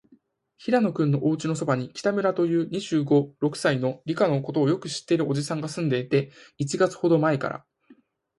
平野君のおうちのそばに、北村という、二十五、六歳の、理科のことをよく知っているおじさんがすんでいて、一月ほどまえから、